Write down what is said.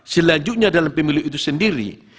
selanjutnya dalam pemilu itu sendiri